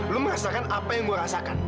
lo merasakan apa yang gue rasakan